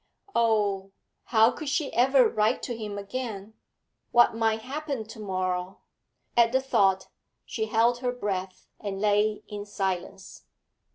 Oh, bow could she ever write to him again? What might happen to morrow? At the thought, she held her breath and lay in silence.